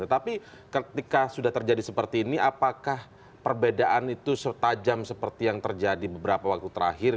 tetapi ketika sudah terjadi seperti ini apakah perbedaan itu setajam seperti yang terjadi beberapa waktu terakhir